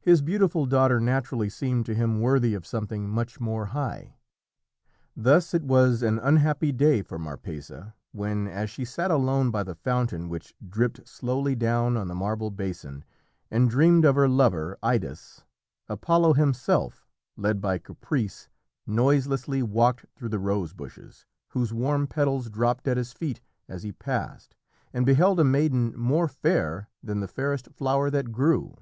His beautiful daughter naturally seemed to him worthy of something much more high. Thus it was an unhappy day for Marpessa when, as she sat alone by the fountain which dripped slowly down on the marble basin, and dreamed of her lover, Idas, Apollo himself, led by caprice, noiselessly walked through the rose bushes, whose warm petals dropped at his feet as he passed, and beheld a maiden more fair than the fairest flower that grew.